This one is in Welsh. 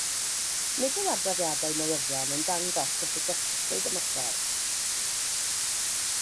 Nid yw adroddiadau newyddion yn dangos sut y datryswyd y mater.